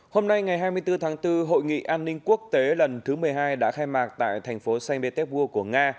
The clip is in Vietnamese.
hôm nay ngày hai mươi bốn tháng bốn hội nghị an ninh quốc tế lần thứ một mươi hai đã khai mạc tại thành phố saint petersburg của nga